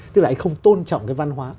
tức là anh không tôn trọng cái văn hóa